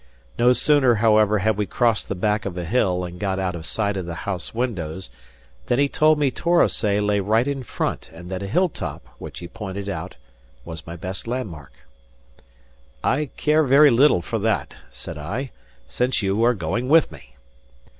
No sooner, however, had we crossed the back of a hill, and got out of sight of the house windows, than he told me Torosay lay right in front, and that a hill top (which he pointed out) was my best landmark. "I care very little for that," said I, "since you are going with me."